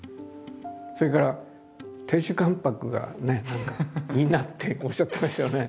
それから亭主関白がいいなっておっしゃってましたよね。